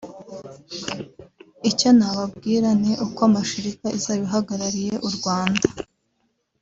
Icyo nababwira ni uko mashirika izaba ihagarariye u Rwanda